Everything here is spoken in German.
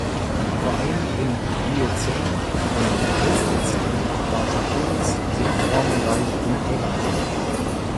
Vor allem im Pliozän und Pleistozän war "Tapirus" sehr formenreich in Eurasien.